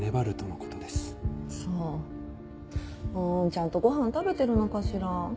ちゃんとご飯食べてるのかしら。